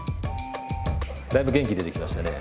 だいぶ元気出てきましたね。